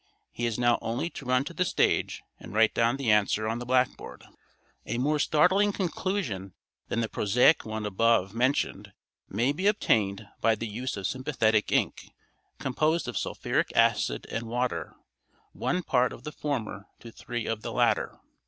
He has now only to run to the stage and write down the answer on the blackboard. A more startling conclusion than the prosaic one above mentioned may be obtained by the use of sympathetic ink, composed of sulphuric acid and water, one part of the former to three of the latter.